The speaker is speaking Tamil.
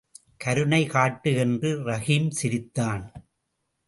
கருணை காட்டு என்று ரஹீம் சிரித்தான்.